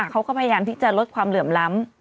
เขาก็พยายามที่จะลดความเหลื่อมล้ำ